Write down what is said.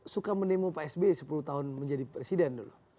suka menemu pak sby sepuluh tahun menjadi presiden dulu